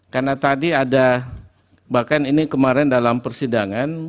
karena tadi ada bahkan ini kemarin dalam persidangan